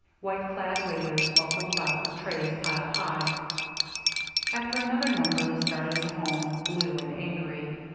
White clad waiters bustled about with trays piled high. After another number he started for home, blue and angry.